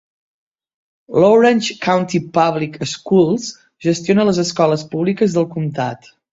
L'Orange County Public Schools gestiona les escoles públiques del comtat.